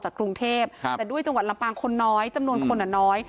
กรุงเทพแต่ด้วยจังหวัดลำปางคนน้อยจำนวนคนอ่ะน้อย